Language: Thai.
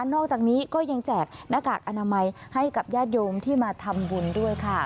นอกจากนี้ก็ยังแจกหน้ากากอนามัยให้กับญาติโยมที่มาทำบุญด้วยค่ะ